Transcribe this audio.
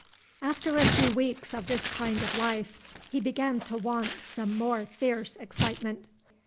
After a few weeks of this kind of life, he began to want some more fierce excitement.